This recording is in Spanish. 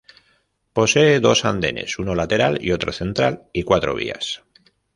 Posee dos andenes uno lateral y otro central y cuatro vías.